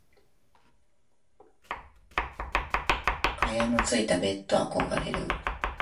蚊帳のついたベット憧れる。